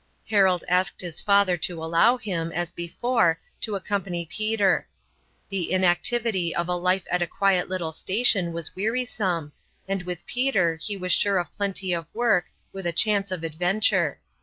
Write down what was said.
Harold asked his father to allow him, as before, to accompany Peter. The inactivity of a life at a quiet little station was wearisome, and with Peter he was sure of plenty of work, with a chance of adventure.